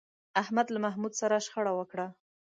احمد له محمود سره شخړه وکړه.